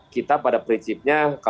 kita pada prinsipnya kalau diperhatikan